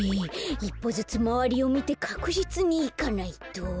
いっぽずつまわりをみてかくじつにいかないと。